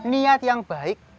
niat yang baik